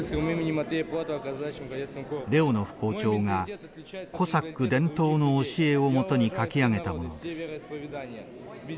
レオノフ校長がコサック伝統の教えを基に書き上げたものです。